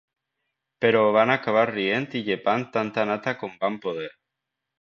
Però van acabar rient i llepant tanta nata com van poder.